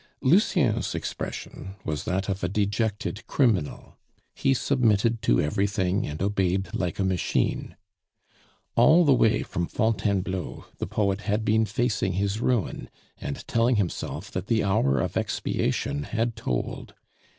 Lucien's expression was that of a dejected criminal. He submitted to everything, and obeyed like a machine. All the way from Fontainebleau the poet had been facing his ruin, and telling himself that the hour of expiation had tolled.